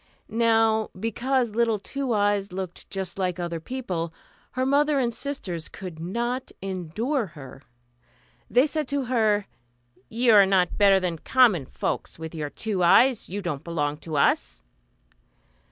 Now because little Two Eyes looked just like other people, her mother and sisters could not endure her. They said to her, "You are not better than common folks, with your two eyes; you don't belong to us."